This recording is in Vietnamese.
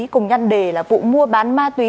cùng nhăn đề là vụ mua bán ma túy